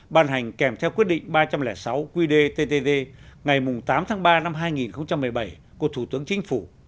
ban hành kèm theo quyết định ba trăm linh sáu qdttd ngày tám tháng ba năm hai nghìn một mươi bảy của thủ tướng chính phủ